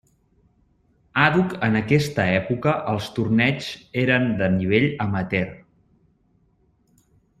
Àdhuc en aquesta època els torneigs eren de nivell amateur.